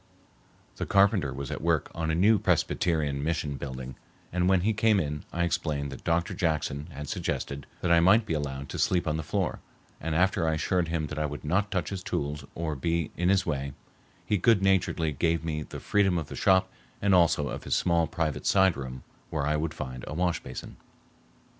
The carpenter was at work on a new Presbyterian mission building, and when he came in I explained that Dr. Jackson had suggested that I might be allowed to sleep on the floor, and after I assured him that I would not touch his tools or be in his way, he goodnaturedly gave me the freedom of the shop and also of his small private side room where I would find a wash basin.